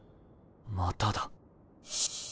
まただ